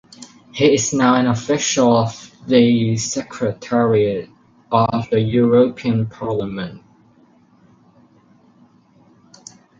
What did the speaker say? He is now an official of the Secretariat of the European Parliament.